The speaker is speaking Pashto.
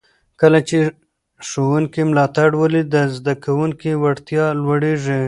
کله چې ښوونکي ملاتړ ولري، د زده کوونکو وړتیا لوړېږي.